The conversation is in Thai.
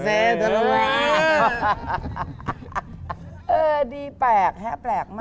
เออดีแปลกแห้งแปลกมาก